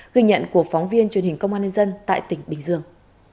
ghi nhận của phóng viên truyền hình công an nhân dân tại tỉnh bình dương